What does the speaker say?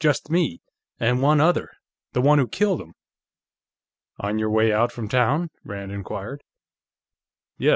Just me. And one other. The one who killed him." "On your way out from town?" Rand inquired. "Yes.